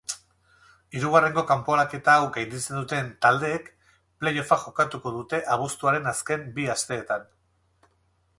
Hirugarren kanporaketa hau gainditzen duten taldeek play-offa jokatuko dute abuztuaren azken bi asteetan.